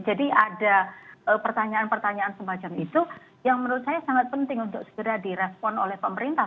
jadi ada pertanyaan pertanyaan semacam itu yang menurut saya sangat penting untuk segera di respon oleh pemerintah